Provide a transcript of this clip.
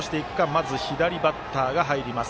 まず左バッターが入ります。